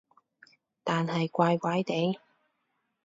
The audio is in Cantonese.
但係怪怪地